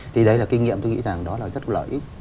thì đấy là kinh nghiệm tôi nghĩ rằng đó là rất lợi ích